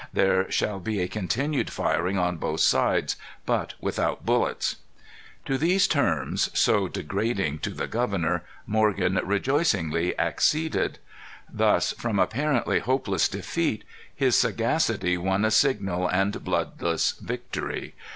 There shall be a continued firing on both sides, but without bullets." To these terms, so degrading to the governor, Morgan rejoicingly acceded. Thus, from apparently hopeless defeat, his sagacity won a signal and bloodless victory.